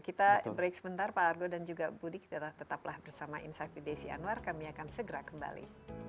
kita break sebentar pak argo dan juga budi tetaplah bersama insight with desi anwar kami akan segera kembali